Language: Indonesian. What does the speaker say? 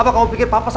kamu ini kenapa sih